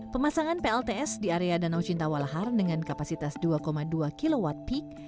pemasangan plts di area danau cinta walahar dengan kapasitas dua dua kw peak